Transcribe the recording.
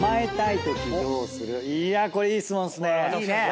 これいい質問っすね。